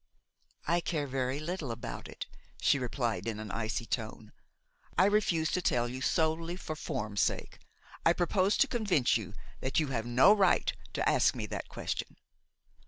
"I care very little about it," she replied in an icy tone. "I refuse to tell you solely for form's sake. I propose to convince you that you have no right to ask me that question?"